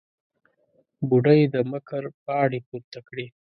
بوډۍ د مکر پاڼې پورته کړې.